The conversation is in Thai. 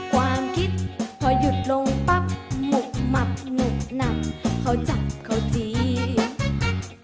ความคิดพอหยุดลงปั๊บหมุกหมับหมุกหนำเขาจับเขาจีบ